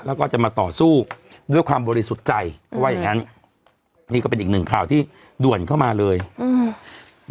แล้วก็จะมาต่อสู้ด้วยความบริสุทธิ์ใจเพราะว่าอย่างงั้นนี่ก็เป็นอีกหนึ่งข่าวที่ด่วนเข้ามาเลยอืม